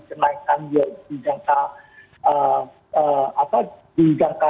kenaikan di jangka